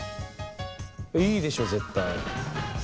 いいでしょ絶対。